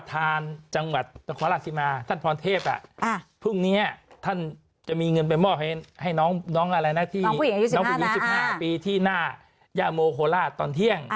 ประธานจังหวัดตะความอาชีพมาท่านพรณเทพฯพรุ่งนี้ท่านจะมีเงินไปมอบให้น้องผู้หญิงอายุ๑๕ปีที่หน้ายาโมโคลาศตอนเที่ยง